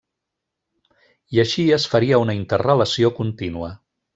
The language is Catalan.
I així es faria una interrelació contínua.